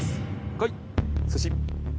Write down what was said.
こい！寿司。